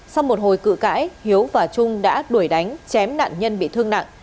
sau một hồi cự cãi hiếu và trung đã đuổi đánh chém nạn nhân bị thương nặng